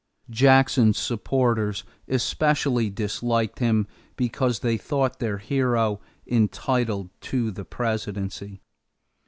Jackson's supporters especially disliked him because they thought their hero entitled to the presidency.